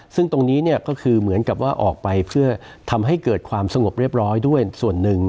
ซึ่งตรงนี้ก็คือเหมือนกับว่าออกไปเพื่อทำให้เกิดความสงบเรียบร้อยด้วยส่วนหนึ่ง